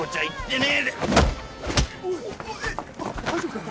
大丈夫か？